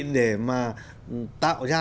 để mà tạo ra